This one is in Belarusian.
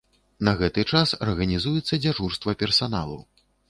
На гэты час арганізуецца дзяжурства персаналу.